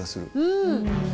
うん。